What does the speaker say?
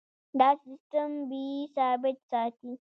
دا سیستم بیې ثابت ساتي.